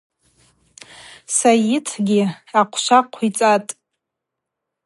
Сайытгьи ахъвшва хъвицӏатӏ.